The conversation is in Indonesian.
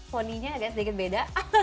poni nya agak sedikit beda